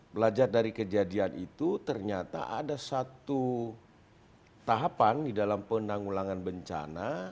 belajar dari kejadian itu ternyata ada satu tahapan di dalam penanggulangan bencana